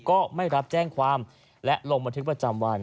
ก็ไม่รับแจ้งความและลงบันทึกประจำวัน